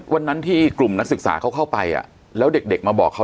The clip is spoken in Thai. วันนั้นที่กลุ่มนักศึกษาเขาเข้าไปแล้วเด็กมาบอกเขา